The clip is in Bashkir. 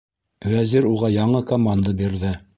Вәзир уға яңы команда бирҙе: